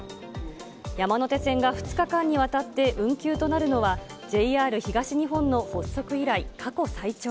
山手線が２日間にわたって運休となるのは、ＪＲ東日本の発足以来、過去最長。